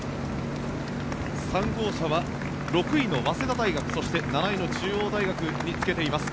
３号車は６位の早稲田大学そして７位の中央大学につけています。